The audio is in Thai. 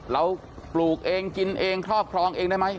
เราปลูกเองจินเองทอกพร้องเองได้ไหม